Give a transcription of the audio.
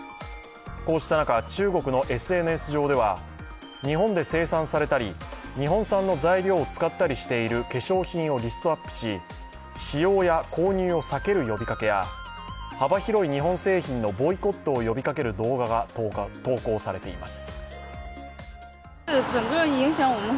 こうした中、中国のＳＮＳ上では、日本で生産されたり、日本産の材料を使ったりしている化粧品をリストアップし、使用や購入を避ける呼びかけや幅広い日本製品のボイコットを呼びかける動画が投稿されています。